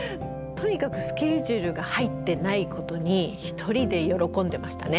とにかくスケジュールが入ってないことに一人で喜んでましたね。